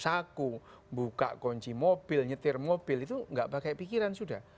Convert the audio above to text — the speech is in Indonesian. saku buka kunci mobil nyetir mobil itu nggak pakai pikiran sudah